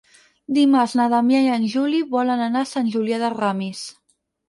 Dimarts na Damià i en Juli volen anar a Sant Julià de Ramis.